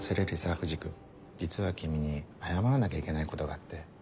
藤君実は君に謝らなきゃいけないことがあって。